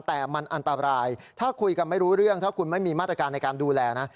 แต่มันอันตรายถ้าคุยกันไม่รู้เรื่องถ้าคุณไม่มีมาตรการในการดูแลนะ